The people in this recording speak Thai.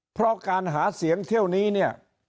เพราะการหาเสียงเที่ยวนี้เนี่ย